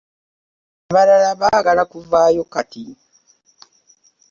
Abalala baagala kuvaayo kati.